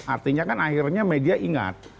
artinya kan akhirnya media ingat